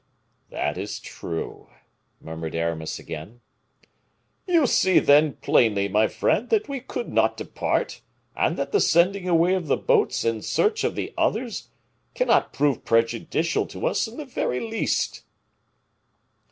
"That is true!" murmured Aramis again. "You see, then, plainly, my friend, that we could not depart; and that the sending away of the boats in search of the others cannot prove prejudicial to us in the very least."